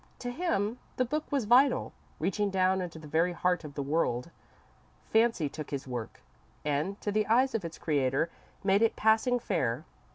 To him, the book was vital, reaching down into the very heart of the world. Fancy took his work, and, to the eyes of its creator, made it passing fair.